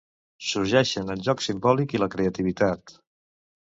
Sorgeixen el joc simbòlic i la creativitat.